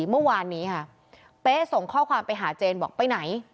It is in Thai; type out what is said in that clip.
เมื่อวานนี้ค่ะเป๊ะส่งข้อความไปหาเจนบอกไปไหน